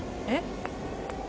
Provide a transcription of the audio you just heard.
えっ？